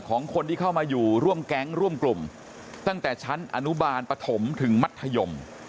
ของคนที่เข้ามาอยู่ร่วมแก๊งร่วมกลุ่มตั้งแต่ชั้นอนุบาลปฐมถึงมัธยม